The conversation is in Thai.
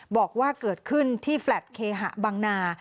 บอกว่าเกิดขึ้นที่แฟลตเคหะบังนา